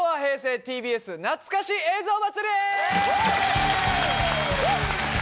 ＴＢＳなつかし映像祭